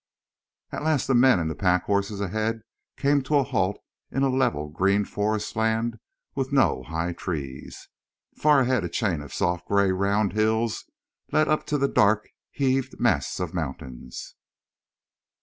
At last the men and the pack horses ahead came to a halt in a level green forestland with no high trees. Far ahead a chain of soft gray round hills led up to the dark heaved mass of mountains.